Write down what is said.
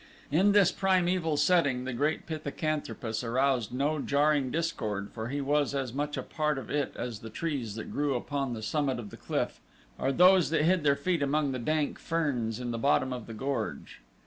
In this primeval setting the great pithecanthropus aroused no jarring discord for he was as much a part of it as the trees that grew upon the summit of the cliff or those that hid their feet among the dank ferns in the bottom of the gorge.